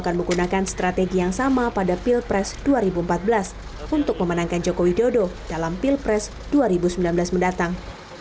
akan menggunakan strategi yang sama pada pilpres dua ribu empat belas untuk memenangkan jokowi dodo dalam pilpres dua ribu sembilan belas mendatang